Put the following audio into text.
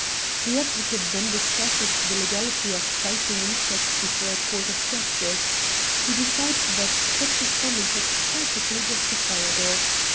The advocate then discusses the legality of citing insects before a court of justice. He decides that such a summons is perfectly justifiable.